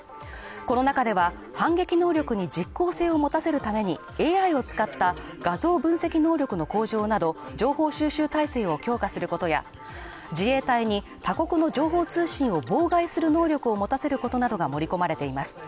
この中では、反撃能力に実効性を持たせるために、ＡＩを使った画像分析能力の向上など、情報収集体制を強化することや、自衛隊に他国の情報通信を妨害する能力を持たせることなどが盛り込まれています。